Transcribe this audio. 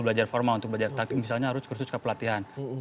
belajar formal untuk belajar taktik misalnya harus kursus kepelatihan